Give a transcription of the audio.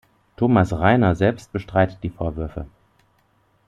Thomas Rainer selbst bestreitet die Vorwürfe.